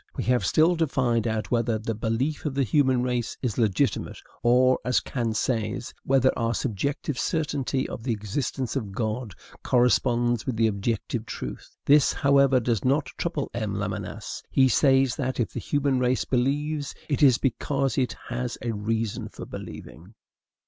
We have still to find out whether the belief of the human race is legitimate; or, as Kant says, whether our subjective certainty of the existence of God corresponds with the objective truth. This, however, does not trouble M. Lamennais. He says that, if the human race believes, it is because it has a reason for believing.